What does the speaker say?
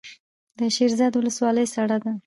د شیرزاد ولسوالۍ سړه ده